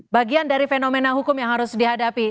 bagian dari fenomena hukum yang harus dihadapi